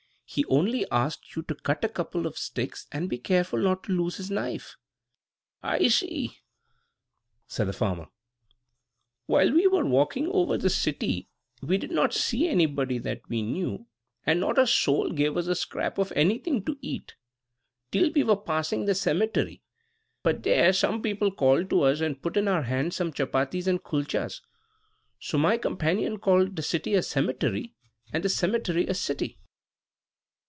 He only asked you to cut a couple of sticks and be careful not to lose his knife." "I see," said the farmer. "While we were walking over the city we did not see anybody that we knew, and not a soul gave us a scrap of anything to eat, till we were passing the cemetery; but there some people called to us and put into our hands some chapatis and kulchas; so my companion called the city a cemetery, and the cemetery a city."